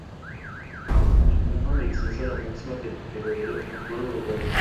Lograron el ascenso a la máxima categoría del fútbol uruguayo.